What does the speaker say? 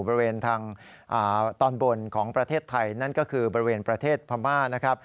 บริเวณทางตอนบนของประเทศไทยนั่นก็คือบริเวณประเทศพม่านะครับ